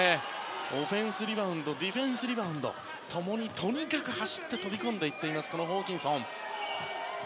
オフェンスリバウンドディフェンスリバウンド共にとにかく走って飛び込んでいるホーキンソン。